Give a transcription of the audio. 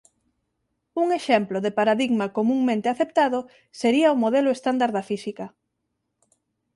Un exemplo de paradigma comunmente aceptado sería o modelo estándar da física.